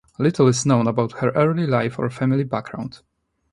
Little is known about her early life or family background.